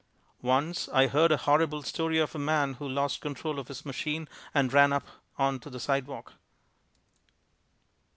Once I heard a horrible story of a man who lost control of his machine and ran up on to the sidewalk.